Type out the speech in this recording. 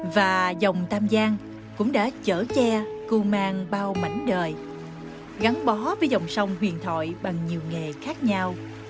và dòng tam giang cũng đã chở che cưu mang bao mảnh đời gắn bó với dòng sông huyền thội bằng nhiều nghề khác nhau